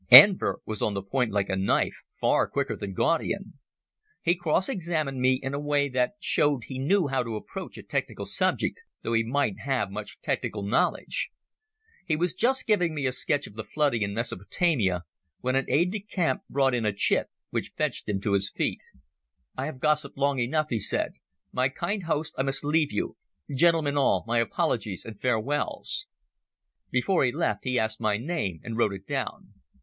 Enver was on the point like a knife, far quicker than Gaudian. He cross examined me in a way that showed he knew how to approach a technical subject, though he mightn't have much technical knowledge. He was just giving me a sketch of the flooding in Mesopotamia when an aide de camp brought in a chit which fetched him to his feet. "I have gossiped long enough," he said. "My kind host, I must leave you. Gentlemen all, my apologies and farewells." Before he left he asked my name and wrote it down.